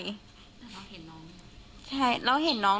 แล้วเห็นน้อง